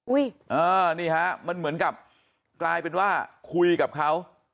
นี่ฮะมันเหมือนกับกลายเป็นว่าคุยกับเขา